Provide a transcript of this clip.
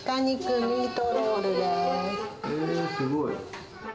すごい。